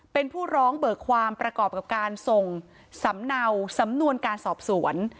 เป็นผู้ร้องเบิกความประกอบกับการส่งสำเนาสำนวนการสอบสวน